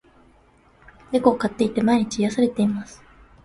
猫を飼っていて、毎日癒されています。